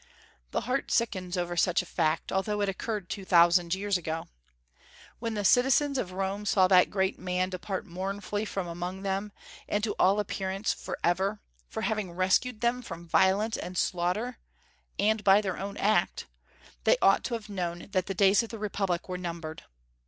The heart sickens over such a fact, although it occurred two thousand years ago. When the citizens of Rome saw that great man depart mournfully from among them, and to all appearance forever, for having rescued them from violence and slaughter, and by their own act, they ought to have known that the days of the Republic were numbered.